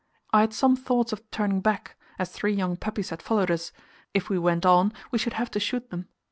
I had some thoughts of turning back, as three young puppies had followed us; if we went on, we should have to shoot them.